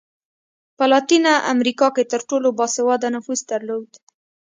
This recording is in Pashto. په لاتینه امریکا کې تر ټولو با سواده نفوس درلود.